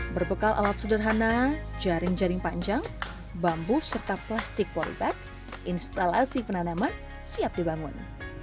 berbekal alat sederhana jaring jaring panjang bambu serta plastik polybag instalasi penanaman siap dibangun